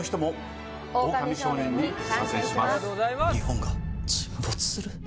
日本が沈没する？